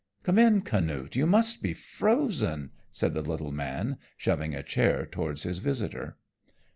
"Come in, Canute, you must be frozen," said the little man, shoving a chair towards his visitor.